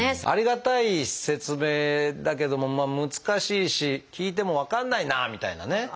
ありがたい説明だけども難しいし聞いても分かんないなみたいなね。